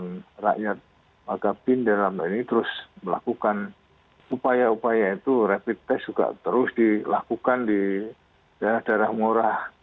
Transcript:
dan rakyat magapin dalam ini terus melakukan upaya upaya itu rapid test juga terus dilakukan di daerah daerah murah